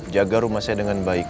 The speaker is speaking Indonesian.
jaga rumah saya dengan baik